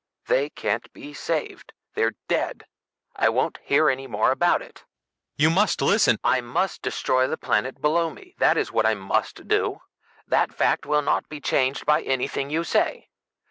They can't be saved. They're dead. I won't hear any more about it." "You must listen " "I must destroy the planet below me, that is what I must do. That fact will not be changed by anything you say.